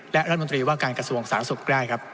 และรัฐมนตรีว่าการกระทรวงสาธารณสุขได้ครับ